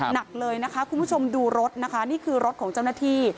หนักเลยนะคะคุณผู้ชมดูรถนะคะนี่คือรถของเจ้าหน้าที่